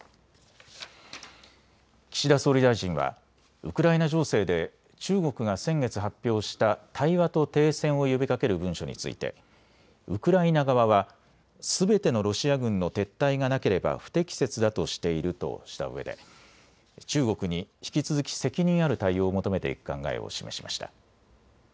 岸田総理大臣はウクライナ情勢で中国が先月発表した対話と停戦を呼びかける文書についてウクライナ側はすべてのロシア軍の撤退がなければ不適切だとしているとしたうえで中国に引き続き責任ある対応を求めていく考えを示しました。